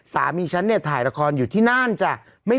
คุณแม่ของคุณแม่ของคุณแม่ของคุณแม่